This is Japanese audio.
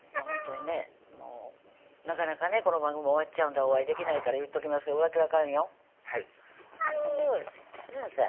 ほんとにねなかなかねこの番組も終わっちゃうんでお会いできないから言っときますけど浮気はあかんよはいほんとそうですよねぇ